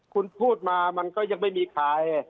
คุณพูดมามันก็ยังไม่มีใคร